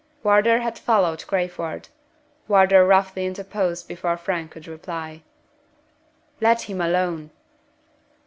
Wardour had followed Crayford. Wardour roughly interposed before Frank could reply. "Let him alone!"